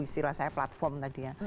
istilah saya platform tadi ya